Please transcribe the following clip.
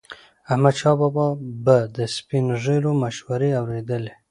احمدشاه بابا به د سپین ږیرو مشورې اورېدلي.